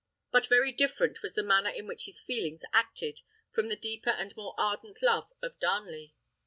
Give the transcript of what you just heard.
But very different was the manner in which his feelings acted, from the deeper and more ardent love of Darnley.